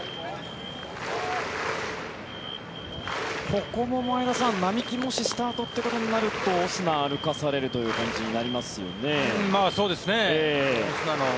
ここも前田さん、並木もしスタートということになるとオスナ、歩かされるという感じになりますよね。